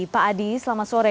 pak adi selamat sore